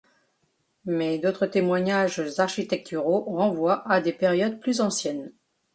Mais d'autres témoignages architecturaux renvoient à des périodes plus anciennes.